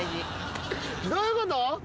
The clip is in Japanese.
どういうこと？